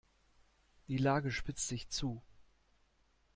Die Lage spitzt sich zu.